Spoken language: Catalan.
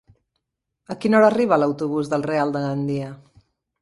A quina hora arriba l'autobús del Real de Gandia?